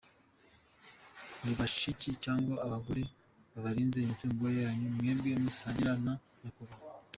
Ni bashiki cg abagore b’abarinze imitungo yanyu mwebwe musangira na Nyakubahwa